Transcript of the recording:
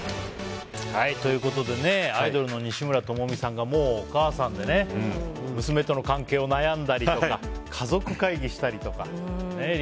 アイドルの西村知美さんがもうお母さんでね娘との関係を悩んだりとか家族会議したりとか。